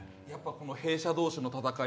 弊社同士の戦い。